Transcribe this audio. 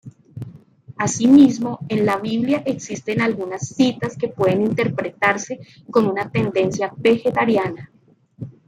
Asimismo, en la Biblia existen algunas citas que pueden interpretarse con una tendencia vegetariana.